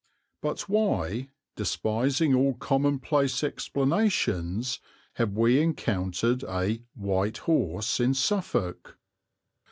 But why, despising all commonplace explanations, have we encountered a "White Horse" in Suffolk?